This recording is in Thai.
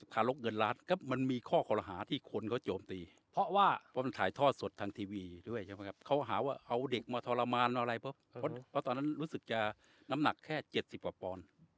รกเงินล้านก็มันมีข้อคอรหาที่คนเขาโจมตีเพราะว่าเพราะมันถ่ายทอดสดทางทีวีด้วยใช่ไหมครับเขาหาว่าเอาเด็กมาทรมานอะไรเพราะตอนนั้นรู้สึกจะน้ำหนักแค่๗๐กว่าปอนด์